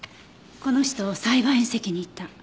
この人裁判員席にいた。